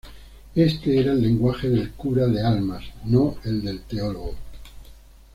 Este era el lenguaje del cura de almas, no el del teólogo.